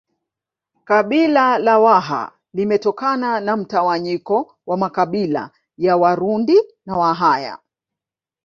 Kabila la Waha limetokana na mtawanyiko wa makabila ya Warundi na Wahaya